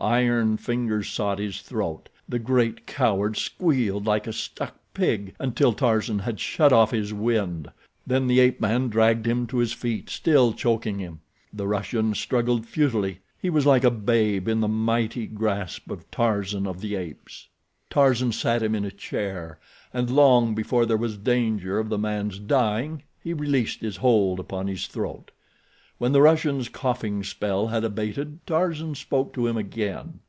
Iron fingers sought his throat—the great coward squealed like a stuck pig, until Tarzan had shut off his wind. Then the ape man dragged him to his feet, still choking him. The Russian struggled futilely—he was like a babe in the mighty grasp of Tarzan of the Apes. Tarzan sat him in a chair, and long before there was danger of the man's dying he released his hold upon his throat. When the Russian's coughing spell had abated Tarzan spoke to him again.